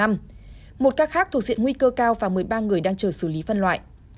một ca khác thuộc diện nguy cơ cao và một mươi ba người đang chờ xử lý phân loại